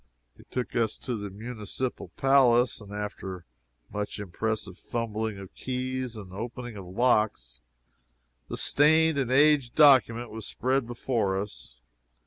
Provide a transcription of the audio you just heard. He took us to the municipal palace. After much impressive fumbling of keys and opening of locks, the stained and aged document was spread before us.